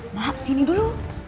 mbak sini dulu